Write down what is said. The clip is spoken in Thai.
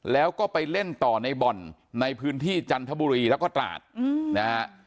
แล้วก็ไปเล่นต่อในบ่อนในพื้นที่จันทบุรีแล้วก็ตราดนะฮะ